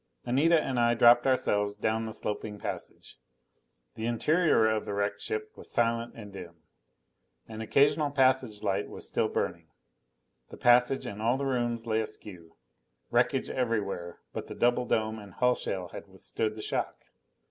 Anita and I dropped ourselves down the sloping passage. The interior of the wrecked ship was silent and dim. An occasional passage light was still burning. The passage and all the rooms lay askew. Wreckage everywhere but the double dome and hull shell had withstood the shock.